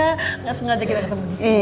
nggak sengaja kita ketemu disini